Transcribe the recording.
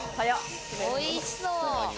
おいしそう！